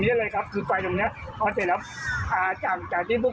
เนี้ยเลยครับคือไฟตรงเนี้ยเอาเสียรับอ่าจากจากที่พวก